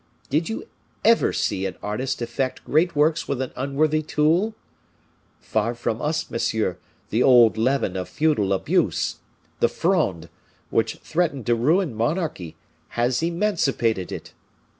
Did you ever see an artist effect great works with an unworthy tool? Far from us, monsieur, the old leaven of feudal abuse! The Fronde, which threatened to ruin monarchy, has emancipated it.